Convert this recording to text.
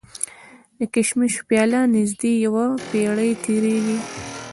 د کشمش پیله نژدې یوه پېړۍ تېرېږي.